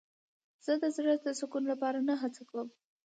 زه د زړه د سکون لپاره نه هڅه کوم.